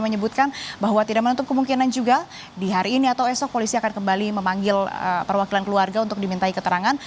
menyebutkan bahwa tidak menutup kemungkinan juga di hari ini atau esok polisi akan kembali memanggil perwakilan keluarga untuk dimintai keterangan